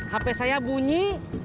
hape saya bunyi